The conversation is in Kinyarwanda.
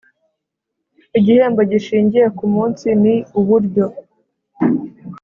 Igihembo gishingiye ku munsi ni uburyo